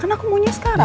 kan aku maunya sekarang